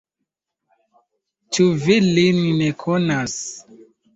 Ĉu vi lin ne konas?